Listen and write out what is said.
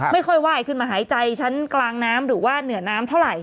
ไม่ค่อยไหว้ขึ้นมาหายใจชั้นกลางน้ำหรือว่าเหนือน้ำเท่าไหร่